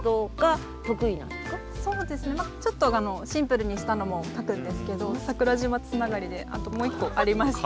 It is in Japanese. そうですねちょっとあのシンプルにしたのも描くんですけど桜島つながりであともう一個ありまして。